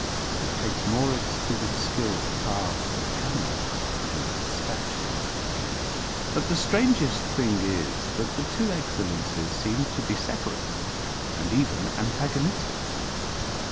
It takes more exquisite skill to carve the cameo than the statue. But the strangest thing is that the two excellences seem to be separate and even antagonistic.